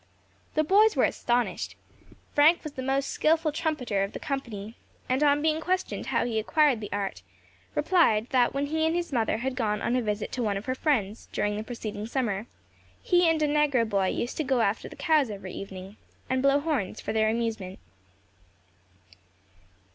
The boys were astonished. Frank was the most skilful trumpeter of the company; and on being questioned how he acquired the art, replied, that when he and his mother had gone on a visit to one of her friends, during the preceding summer, he and a negro boy used to go after the cows every evening, and blow horns for their amusement.